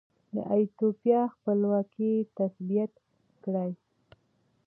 د ایتوپیا خپلواکي تثبیت کړه.